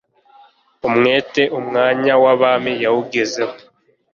umwete, umwanya w'abami yawugezemo